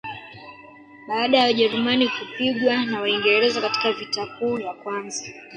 baada ya wajerumani kupigwa na waingereza katika vita kuu ya kwanza